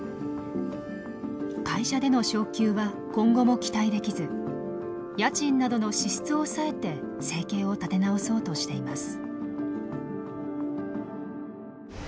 会社での昇給は今後も期待できず家賃などの支出を抑えて生計を立て直そうとしています。